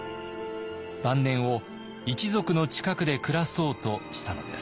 晩年を一族の近くで暮らそうとしたのです。